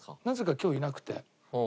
なぜか今日いなくて。